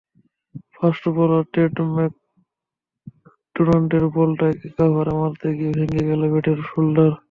Fast bowler Ted ম্যাকডোনাল্ডের বলটাকে কাভারে মারতে গিয়ে ভেঙে গেল ব্যাটের শোল্ডার।